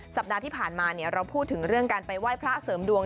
สัปดาห์ที่ผ่านมาเราพูดถึงเรื่องการไปไหว้พระเสริมดวง